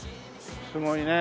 すごいね。